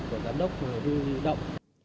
để đảm bảo khi có lệnh của giám đốc